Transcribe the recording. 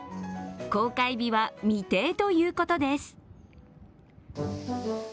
公開日は未定ということです。